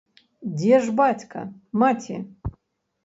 Дзе ж бацька, маці?